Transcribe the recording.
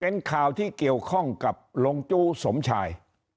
เป็นข่าวที่เกี่ยวข้องกับลงจู้สมชาย